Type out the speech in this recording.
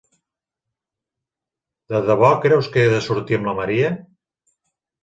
De debó creus que he de sortir amb la Maria?